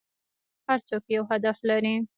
هر څوک یو هدف لري .